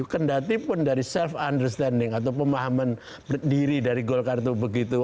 kendatipun dari self understanding atau pemahaman diri dari golkar itu begitu